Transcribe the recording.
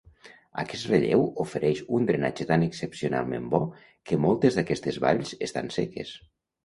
Aquest relleu ofereix un drenatge tan excepcionalment bo que moltes d'aquestes valls estan seques.